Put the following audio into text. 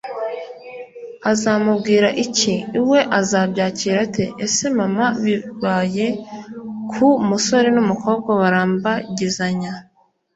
azamubwira iki ? we azabyakira ate ? se mama bibaye ku musore n'umukobwa barambagizanya